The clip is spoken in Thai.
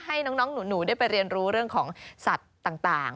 ให้น้องหนูได้ไปเรียนรู้เรื่องของสัตว์ต่าง